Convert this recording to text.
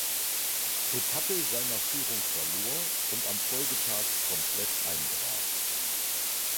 Etappe seine Führung verlor und am Folgetag komplett einbrach.